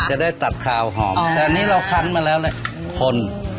จะได้ตัดขาวหอมแต่อันนี้เราคันมาแล้วแหละคน